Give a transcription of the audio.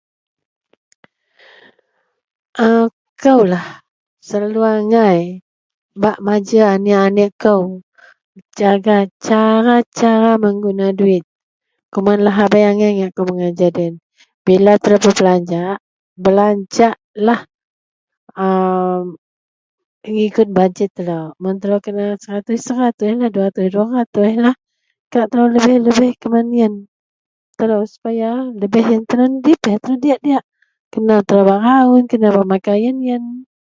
Ako lah selalu angai bak mengajer anek-anek kou cara-cara cara mengguna duwit keman lahabei angai telo belajak doloyen bila telo belajaklah belajaklah aa mengikut bajet telo mun telo kena seratus seratuslah duaratus dua ratuslah kak telo lebeh-lebeh keman iyen telo supaya lebeh iyen nedipeh telo diyak-diyak kena bak telo rawon kena bak makau iyen-iyen.